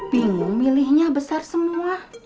bingung milihnya besar semua